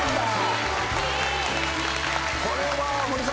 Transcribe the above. これは森さん。